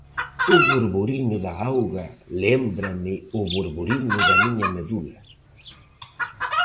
O borboriño da auga lémbrame o borboriño da miña medula.